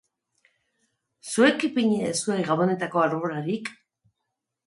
Zuek ipini duzue gabonetako arbolarik?